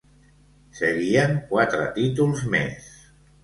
Seguien quatre títols més.